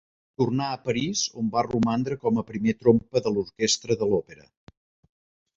Tornà a París, on va romandre com a primer trompa de l'orquestra de l'Òpera.